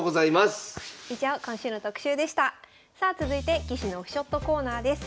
さあ続いて棋士のオフショットコーナーです。